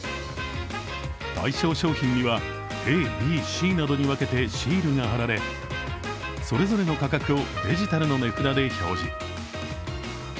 対象商品には、ＡＢＣなどに分けてシールが貼られ、それぞれの価格をデジタルの値札で表示。